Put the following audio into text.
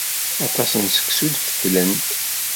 Aṭas n seksu i d-fetlent.